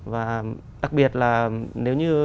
và đặc biệt là nếu như